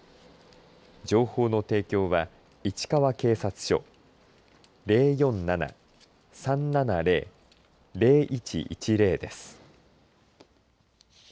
情報の提供は市川警察署０４７−３７０−０１１０です。